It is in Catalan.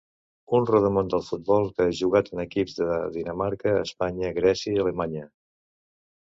Un rodamón del futbol que ha jugat en equips de Dinamarca, Espanya, Grècia i Alemanya.